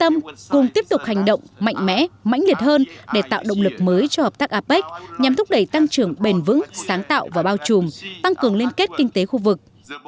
mới cho hợp tác apec nhằm thúc đẩy tăng trưởng bền vững sáng tạo và bao trùm tăng cường liên kết kinh tế khu vực